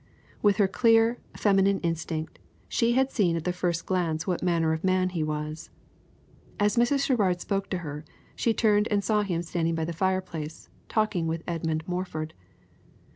With her clear, feminine instinct, she had seen at the first glance what manner of man he was. As Mrs. Sherrard spoke to her, she turned and saw him standing by the fireplace, talking with Edmund Morford.